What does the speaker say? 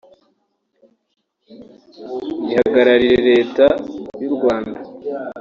ihagarariye Leta y’u Rwanda